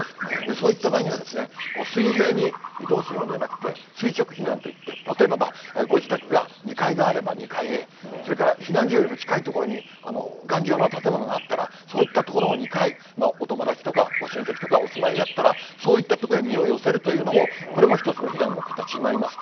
そういった場合には、水平に移動するんじゃなくて、垂直避難といって、例えばご自宅が２階であれば２階へ、それから避難所よりも近い所に頑丈な建物があったら、そういった所の２階、お友達とかご親戚とかお住まいだったら、そういった所へ身を寄せるというのも、これも一つの避難の形になります。